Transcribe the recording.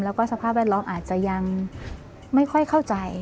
แล้วก็สภาพแวดล้อมอาจจะยังไม่ค่อยเข้าใจ